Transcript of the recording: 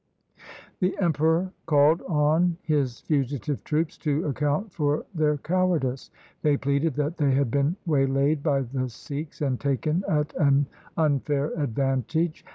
The Emperor called on his fugitive troops to account for their cowardice. They pleaded that they had been waylaid by the Sikhs and taken at an unfair advantage.